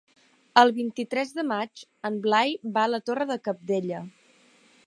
El vint-i-tres de maig en Blai va a la Torre de Cabdella.